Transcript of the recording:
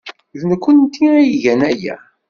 D nekkenti ay igan aya.